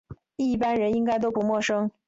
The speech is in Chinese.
一般人应该都不陌生